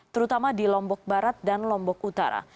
terutama di lombok barat dan lombok utara